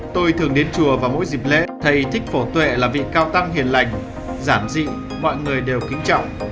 tôi thường đến chùa vào mỗi dịp lễ thầy thích phổ tuệ là vị cao tăng hiền lành giản dị mọi người đều kính trọng